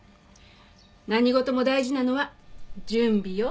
何事も大事なのは準備よ。